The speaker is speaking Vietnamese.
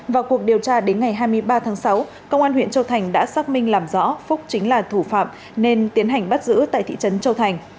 vào cuộc điều tra đến ngày hai mươi ba tháng sáu công an huyện châu thành đã xác minh làm rõ phúc chính là thủ phạm nên tiến hành bắt giữ tại thị trấn châu thành